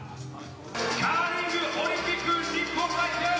カーリングオリンピック日本代表。